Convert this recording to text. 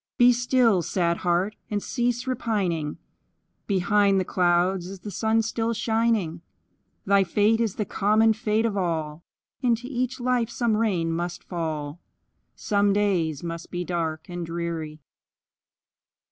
Be still, sad heart! and cease repining; Behind the clouds is the sun still shining; Thy fate is the common fate of all, Into each life some rain must fall, Some days must be dark and dreary.